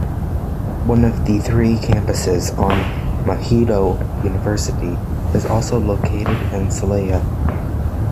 One of the three campuses of Mahidol University is also located in Salaya.